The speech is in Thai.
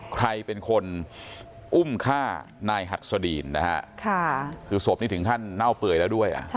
ใครเป็นคนอุ้มฆ่านายหัดสดีนนะฮะคือศพนี้ถึงขั้นเน่าเปื่อยแล้วด้วย